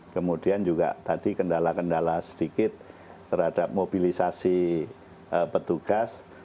kemudian juga tadi kendala kendala sedikit terhadap mobilisasi petugas